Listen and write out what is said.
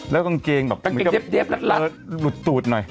แล้วก็กางเกงแบบหลุดตูดหน่อย